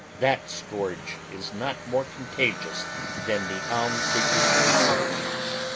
That scourge is not more contagious than tlie ahns seeker's com plaint.